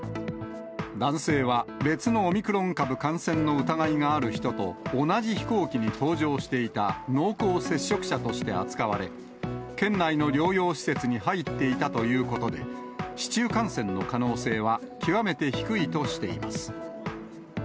男性は別のオミクロン株感染の疑いがある人と同じ飛行機に搭乗していた濃厚接触者として扱われ、県内の療養施設に入っていたということで、市中感染の可能性は極めて低いとしています。